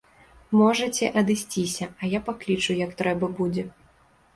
Можаце адысціся, а я паклічу, як трэба будзе.